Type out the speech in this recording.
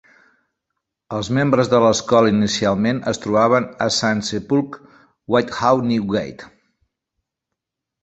Els membres de l'escola inicialment es trobaven a St Sepulchre-without-Newgate.